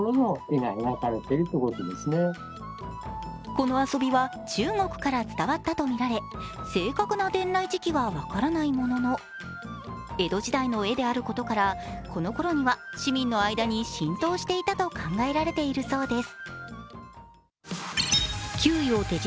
この遊びは中国から伝わったとみられ、正確な伝来時期は分からないものの江戸時代の絵であることからこのころには市民の間に浸透していたと考えられているそうです。